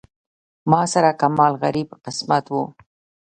ما سره کمال غریب قسمت و.